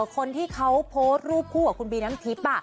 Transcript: คนที่เขาโพสต์รูปคู่กับคุณบีน้ำทิพย์